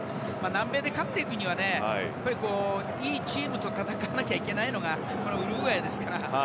南米で勝っていくにはいいチームと戦わないといけないのがこのウルグアイですから。